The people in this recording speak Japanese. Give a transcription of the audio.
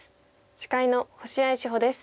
司会の星合志保です。